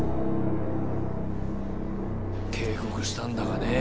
警告したんだがねえ。